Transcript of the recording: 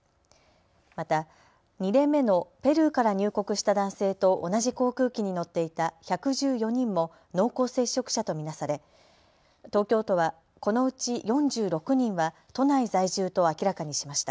また、２例目のペルーから入国した男性と同じ航空機に乗っていた１１４人も濃厚接触者と見なされ東京都は、このうち４６人は都内在住と明らかにしました。